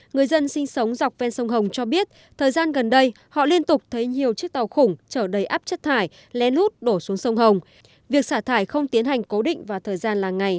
người dân sinh sống dọc ven sông hồng cho biết thời gian gần đây họ liên tục thấy nhiều chiếc tàu khủng trở đầy áp chất thải lén lút đổ xuống sông hồng